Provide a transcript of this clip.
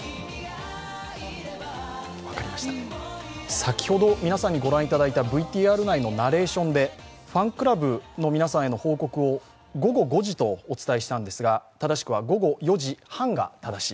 先ほど、皆さんに御覧いただいたＶＴＲ内のナレーションで、ファンクラブの皆さんへの報告を午後５時とお伝えしたんですが正しくは午後４時半が正しい。